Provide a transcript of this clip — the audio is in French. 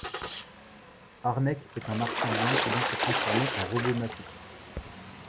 Armek est un martien blanc pouvant se transformer en un robot massif.